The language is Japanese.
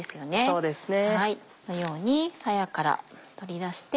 そうですね。